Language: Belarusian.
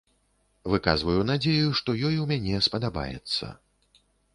Выказваю надзею, што ёй у мяне спадабаецца.